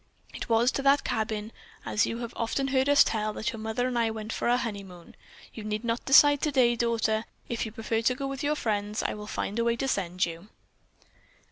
It was to that cabin, as you have often heard us tell, that your mother and I went for our honeymoon. You need not decide today, daughter. If you prefer to go with your friends, I will find a way to send you."